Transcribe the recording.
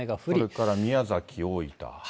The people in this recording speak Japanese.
それから宮崎、大分。